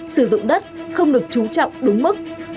sử dụng đất không được trú trọng đúng mức